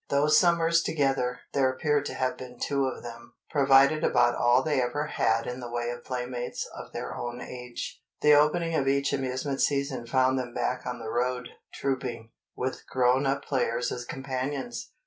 Those summers together (there appear to have been two of them) provided about all they ever had in the way of playmates of their own age. The opening of each amusement season found them back on the road, trouping, with grown up players as companions.